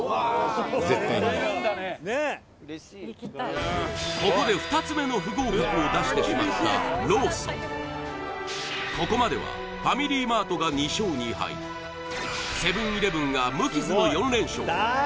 一方僕ホントにここで２つ目の不合格を出してしまったローソンここまではファミリーマートが２勝２敗セブン−イレブンが無傷の４連勝